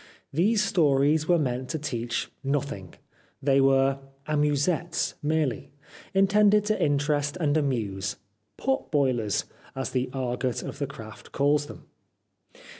These stories were meant to teach nothing ; they were amusettes merely, intended to interest and amuse, "pot boilers" as the argot of the craft calls them.